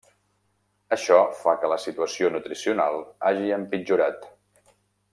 Això fa que la situació nutricional hagi empitjorat.